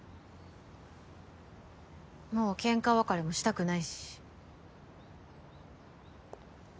もう喧嘩別れもしたくないし。